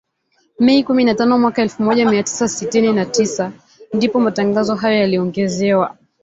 Mei kumi na tano mwaka elfu moja mia tisa sitini na sita ndipo matangazo hayo yaliongezewa